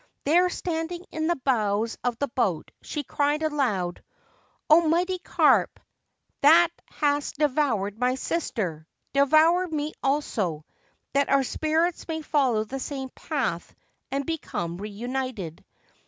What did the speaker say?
There, standing in the bows of the boat, she cried aloud :' Oh, mighty carp, that hast devoured my sister, devour me also, that our spirits may follow the same path and become reunited.